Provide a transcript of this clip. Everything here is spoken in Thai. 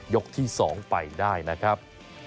ที่๒ไปได้นะครับ